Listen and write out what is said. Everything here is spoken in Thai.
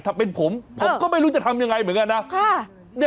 ถ้าเป็นผมผมก็ไม่รู้จะทำยังไงเหมือนกันนะ